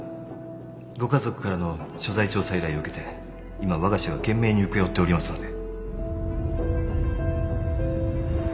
ご家族からの所在調査依頼を受けて今わが社が懸命に行方を追っておりますので